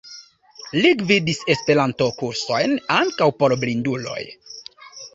Li gvidis Esperanto-kursojn, ankaŭ por blinduloj.